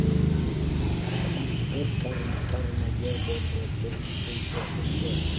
Era hija de Carl Mayer von Rothschild y Adelheid Herz.